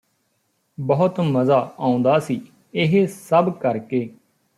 ਬਹੁਤ ਮਜ਼ਾ ਆਉਂਦਾ ਸੀ ਇਹ ਸਭ ਕਰਕੇ